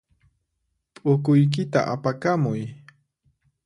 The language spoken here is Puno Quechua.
P'ukuykita apakamuy.